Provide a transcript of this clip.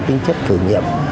có cái tính chất thử nghiệm